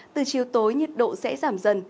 từ chiều tối nhiệt độ sẽ giảm dần